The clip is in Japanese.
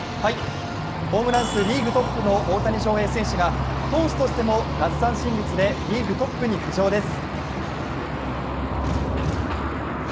ホームラン数リーグトップの大谷翔平選手が投手としても奪三振率でリーグトップに浮上です。